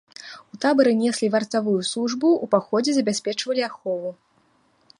У табары неслі вартавую службу, у паходзе забяспечвалі ахову.